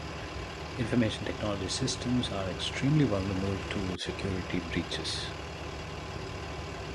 Information technology systems are extremely vulnerable to security breaches.